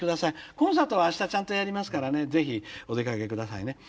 コンサートは明日ちゃんとやりますからぜひお出かけ下さいね。